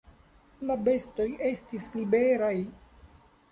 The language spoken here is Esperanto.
La bestoj estis liberaj.